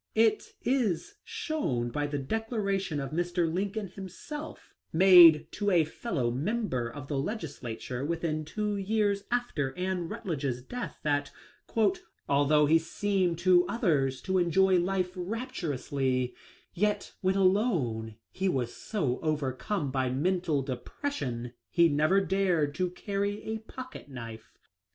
It is shown by the declaration of Mr. Lincoln himself made to a fellow member* of the Legislature within two years after Anne Rutledge's death that " although he seemed to others to enjoy life rapturously, yet when alone he was so overcome by mental depression he never dared to carry a pocket knife."